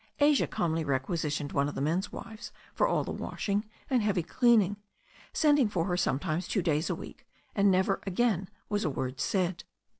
Asia calmly requisitioned one of the men's wives for all the washing and heavy cleaning, sending for her sometimes two days a week, and never again was a word said.